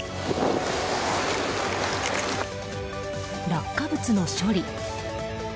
落下物の処理。